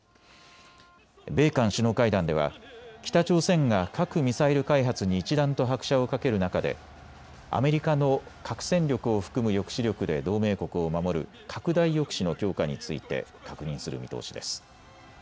米韓首脳会談では北朝鮮が核・ミサイル開発に一段と拍車をかける中でアメリカの核戦力を含む抑止力で同盟国を守る拡大抑止の強化について確認する見通しです。